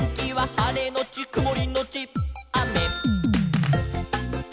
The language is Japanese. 「はれのちくもりのちあめ」